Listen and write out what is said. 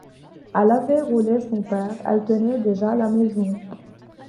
Elle avait roulé son père, elle tenait déjà la maison.